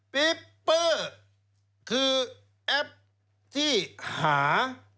ปีเปอร์คือแอปที่หา